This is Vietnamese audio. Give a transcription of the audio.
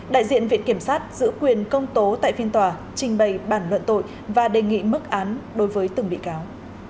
đại diện viện kiểm sát giữ quyền công tố tại phiên tòa trình bày bản luận tội và đề nghị mức án đối với từng bị cáo